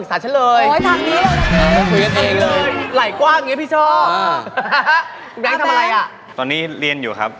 สวัสดีครับ